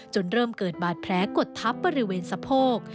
เริ่มเกิดบาดแผลกดทับบริเวณสะโพก